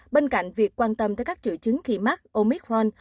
bên cạnh việc quan tâm tới các triệu chứng khi mắc omicron